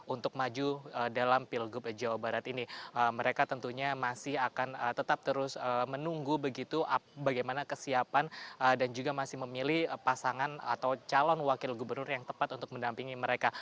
untuk maju dalam pilgub jawa barat ini mereka tentunya masih akan tetap terus menunggu begitu bagaimana kesiapan dan juga masih memilih pasangan atau calon wakil gubernur yang tepat untuk mendampingi mereka